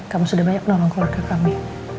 kamu sudah banyak menolong keluarga kami